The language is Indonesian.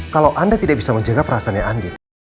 kalau anda tidak bisa menjaga perasaannya andin